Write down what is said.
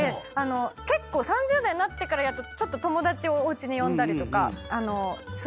結構３０代になってからちょっと友達をおうちに呼んだりとかするようになって。